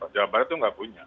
jawa barat itu nggak punya